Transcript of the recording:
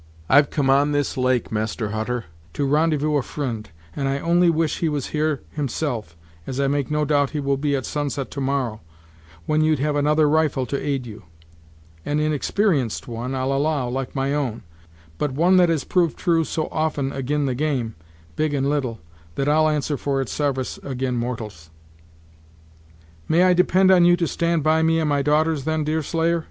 I've come on this at take, Master Hutter, to rende'vous a fri'nd, and I only wish he was here himself, as I make no doubt he will be at sunset to morrow, when you'd have another rifle to aid you; an inexper'enced one, I'll allow, like my own, but one that has proved true so often ag'in the game, big and little, that I'll answer for its sarvice ag'in mortals." "May I depend on you to stand by me and my daughters, then, Deerslayer?"